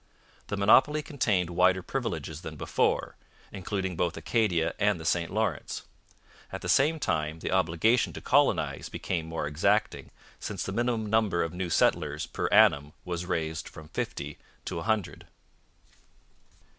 The monopoly contained wider privileges than before, including both Acadia and the St Lawrence. At the same time, the obligation to colonize became more exacting, since the minimum number of new settlers per annum was raised from fifty to a hundred.